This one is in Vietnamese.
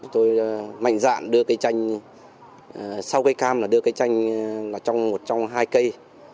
tôi mạnh dạn đưa cây chanh sau cây cam là đưa cây chanh trong một trong hai cây